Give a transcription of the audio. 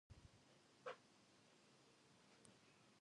He was sentenced for ten years to jail.